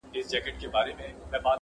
دُرانیډک له معناوو لوی انسان دی.